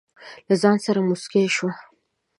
له ځانه سره موسکه شوه.